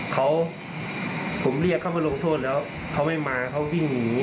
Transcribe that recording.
เขาผมเรียกเขามาลงโทษแล้วเขาไม่มาเขาวิ่งหนี